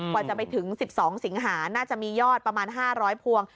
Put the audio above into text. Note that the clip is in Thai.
กว่าจะไปถึง๑๒สิงหาน่าจะมียอดประมาณ๕๐๐พวง